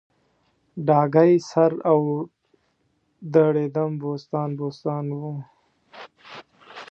ډاګی سر او دړیدم بوستان بوستان و